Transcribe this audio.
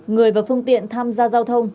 người và phương tiện tham gia giao thông